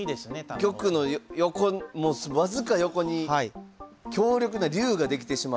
玉の横も僅か横に強力な龍ができてしまう。